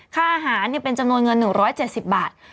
ค่าอาหารเป็นจำนวนเงิน๑๗๐บาท